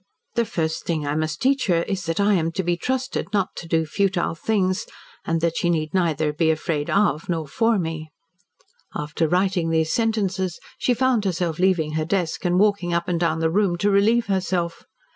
The first thing I must teach her is that I am to be trusted not to do futile things, and that she need neither be afraid of nor for me." After writing these sentences she found herself leaving her desk and walking up and down the room to relieve herself.